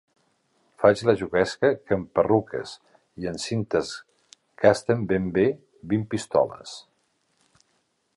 Faig la juguesca que en perruques i en cintes gastes ben bé vint pistoles;